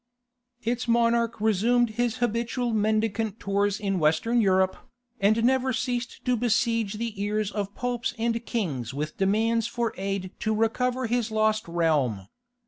Its monarch resumed his habitual mendicant tours in Western Europe, and never ceased to besiege the ears of popes and kings with demands for aid to recover his lost realm.